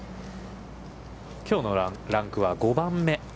きょうのランクは５番目。